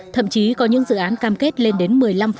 thậm chí có những dự án cam kết lên đến một mươi năm